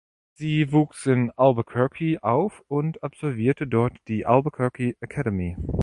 Sie wuchs in Albuquerque auf und absolvierte dort die Albuquerque Academy.